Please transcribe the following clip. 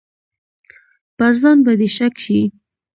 پر ځان به دې شک شي.